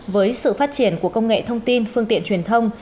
với sự phát triển của công nghệ thông tin phương tiện truyền thông